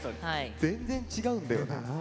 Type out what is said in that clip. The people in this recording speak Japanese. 全然違うんだよな。